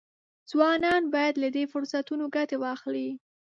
ځوانان باید له دې فرصتونو ګټه واخلي.